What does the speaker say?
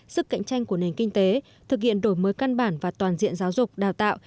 sức cạnh tranh của nền kinh tế thực hiện đổi mới căn bản và toàn diện giáo dục đào tạo